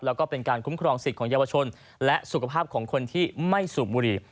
แล้วก็เป็นการคุ้มครองสิทธิ์ของเยาวชนและสุขภาพของคนที่ไม่สูบบุหรี่